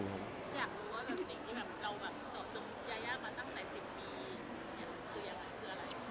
อยากรู้ว่าจริงที่เราต้องยามาตั้งแต่๑๐ปีคืออะไร